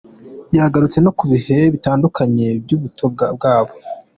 Yagarutse no ku bihe bitandukanye by’ubuto bwabo.